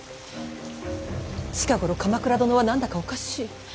近頃鎌倉殿は何だかおかしい。